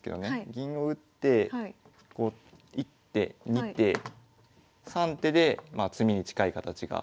銀を打って１手２手３手でまあ詰みに近い形が作れる。